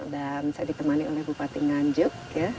dan saya di temani oleh bupati nanjuk ya